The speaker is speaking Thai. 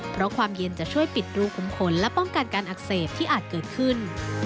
เพราะความเย็นจะช่วยปิดรูขุมขนและป้องกันการอักเสบที่อาจเกิดขึ้น